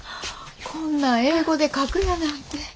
こんなん英語で書くやなんて。